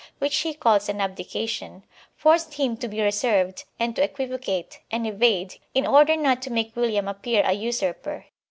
which he calls an abdication, forced him to be reserved and to equivocate and evade in order not to make William appear a usurper.